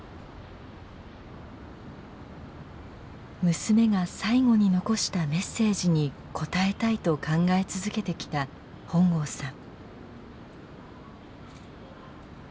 娘が最期に遺したメッセージに応えたいと考え続けてきた本郷さん。